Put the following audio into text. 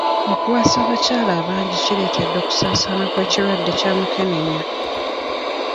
Okuwasa abakyala abangi kireetedde okusaasaana kw'ekirwadde kya mukenenya.